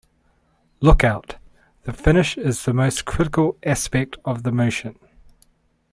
Lockout: The finish is the most critical aspect of the motion.